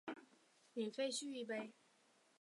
续杯一杯免费